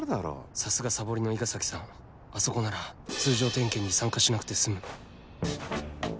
さすがサボりの伊賀崎さんあそこなら通常点検に参加しなくて済む